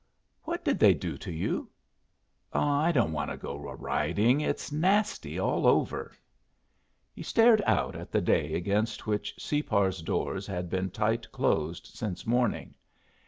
"What did they do to you? Ah, I don't want to go a riding. It's nasty all over." He stared out at the day against which Separ's doors had been tight closed since morning.